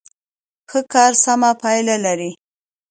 ښه کار سمه پایله لري.